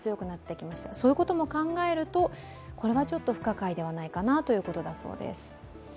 そのことを考えるとこれは不可解ではないかなということだそうです。